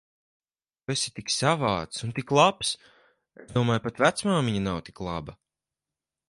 Tu esi tik savāds un tik labs. Es domāju, pat vecmāmiņa nav tik laba.